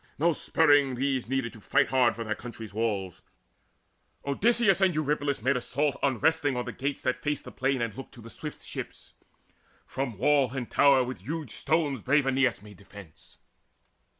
No spurring these Needed to fight hard for their country's walls. Odysseus and Eurypylus made assault Unresting on the gates that fated the plain And looked to the swift ships. From wall and tower With huge stones brave Aeneas made defence.